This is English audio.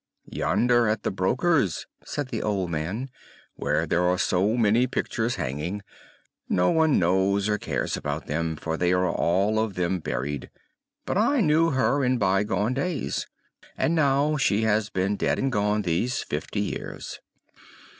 "Yonder, at the broker's," said the old man, "where there are so many pictures hanging. No one knows or cares about them, for they are all of them buried; but I knew her in by gone days, and now she has been dead and gone these fifty years!"